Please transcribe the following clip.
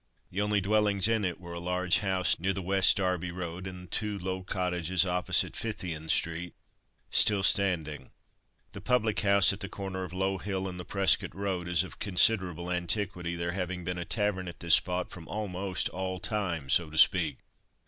The only dwellings in it were a large house near the West Derby road, and two low cottages opposite Phythian street, still standing. The public house at the corner of Low hill and the Prescot road is of considerable antiquity, there having been a tavern at this spot from almost all time, so to speak.